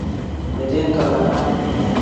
meten kong'alalenin